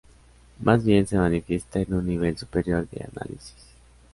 Más bien se manifiesta en un nivel superior de análisis.